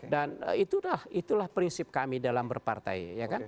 itulah prinsip kami dalam berpartai